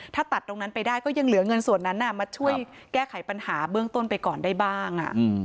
ถ้าตัดตรงนั้นไปได้ก็ยังเหลือเงินส่วนนั้นมาช่วยแก้ไขปัญหาเบื้องต้นไปก่อนได้บ้าง